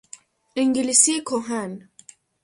انگلیسی کهن